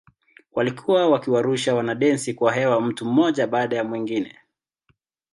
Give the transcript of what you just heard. Walikuwa wakiwarusha wanadensi kwa hewa mtu mmoja baada ya mwingine.